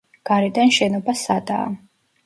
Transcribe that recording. გარედან შენობა სადაა.